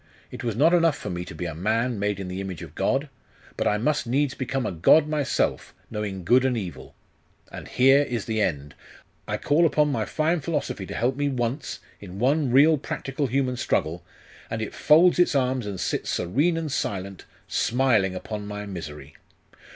It was not enough for me to be a man made in the image of God: but I must needs become a god myself, knowing good and evil. And here is the end! I call upon my fine philosophy to help me once, in one real practical human struggle, and it folds its arms and sits serene and silent, smiling upon my misery!